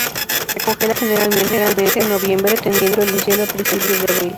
Se congela generalmente en noviembre, teniendo el deshielo a principios de abril.